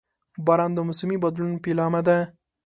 • باران د موسمي بدلون پیلامه ده.